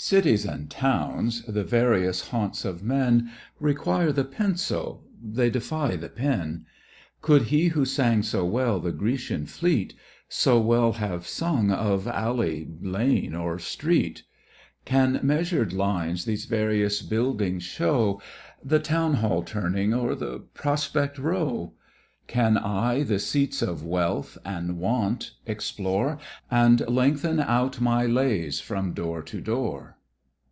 Cities and towns, the various haunts of men, Require the pencil; they defy the pen: Could he who sang so well the Grecian fleet, So well have sung of alley, lane, or street? Can measured lines these various buildings show, The Town Hall Turning, or the Prospect Row? Can I the seats of wealth and want explore, And lengthen out my lays from door to door?